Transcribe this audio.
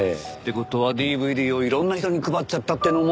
事はＤＶＤをいろんな人に配っちゃったってのも。